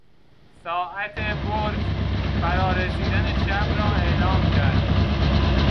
ساعت برج فرا رسیدن شب را اعلام کرد.